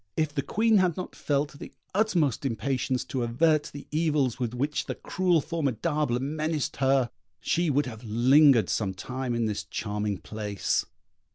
If the Queen had not felt the utmost impatience to avert the evils with which the cruel Formidable menaced her, she would have lingered some time in this charming place.